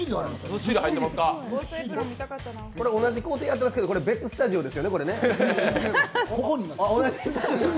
同じ工程やってますけど、別スタジオですよね？